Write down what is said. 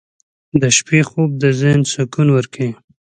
• د شپې خوب د ذهن سکون ورکوي.